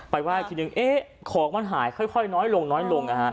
ไปไหว้ทีนึงเอ๊ะของกินที่มันหายค่อยน้อยลง